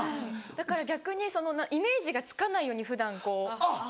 だから逆にイメージがつかないように普段こう。